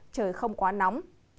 trời không quá nóng